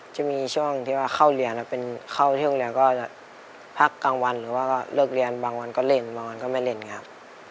จะมีช่วงที่ว่าเข้าเรียนเข้าที่โรงเรียนก็จะพักกลางวันหรือว่าก็เลิกเรียนบางวันก็เล่นบางวันก็ไม่เล่นไงครับ